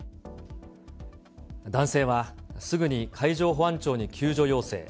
男性はすぐに海上保安庁に救助要請。